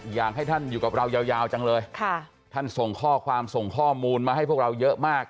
อยากให้ท่านอยู่กับเรายาวจังเลยท่านส่งข้อความส่งข้อมูลมาให้พวกเราเยอะมาก